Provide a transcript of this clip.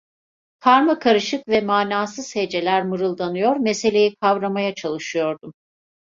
Karmakarışık ve manasız heceler mırıldanıyor, meseleyi kavramaya çalışıyordum.